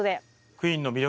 クイーンの魅力